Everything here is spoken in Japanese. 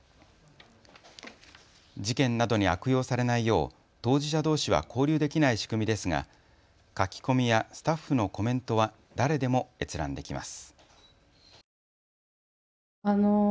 事件などに悪用されないよう当事者どうしは交流できない仕組みですが書き込みやスタッフのコメントは誰でも閲覧できます。